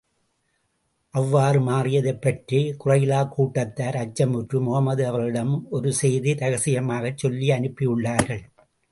அவ்வாறு மாறியதைப் பற்றி, குறைலா கூட்டத்தார் அச்சமுற்று, முஹம்மது அவர்களிடம் ஒரு சேதி இரகசியமாகச் சொல்லி அனுப்பியுள்ளார்கள்.